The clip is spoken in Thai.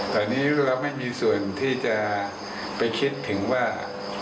ตอนนี้เราไม่มีส่วนที่จะไปคิดถึงว่า